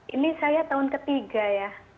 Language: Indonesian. ini saya tahun ketiga ya